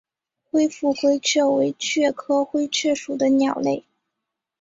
灰腹灰雀为雀科灰雀属的鸟类。